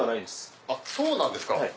そうなんですか？